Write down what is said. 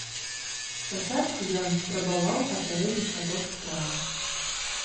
Спачатку ён спрабаваў апярэдзіць паток справа.